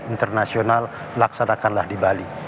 internasional laksanakanlah di bali